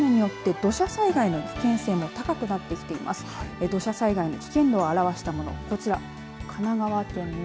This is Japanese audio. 土砂災害の危険度を表したもの